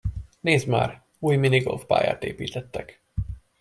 Nézd már, új minigolf-pályát építettek.